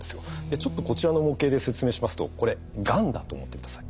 ちょっとこちらの模型で説明しますとこれがんだと思って下さい。